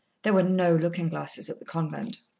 There were no looking glasses at the convent.